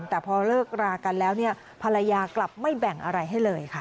แต่พอเลิกรากันแล้วเนี่ยภรรยากลับไม่แบ่งอะไรให้เลยค่ะ